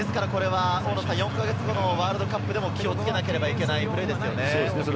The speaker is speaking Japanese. ４か月後のワールドカップでも気を付けなければいけないプレーですよね。